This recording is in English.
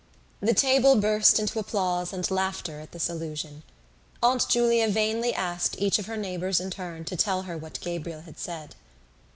The table burst into applause and laughter at this allusion. Aunt Julia vainly asked each of her neighbours in turn to tell her what Gabriel had said.